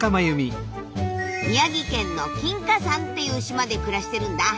宮城県の金華山っていう島で暮らしてるんだ。